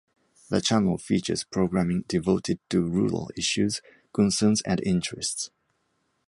The channel features programming devoted to rural issues, concerns and interests.